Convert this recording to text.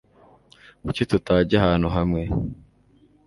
Kuki tutajya ahantu hamwe?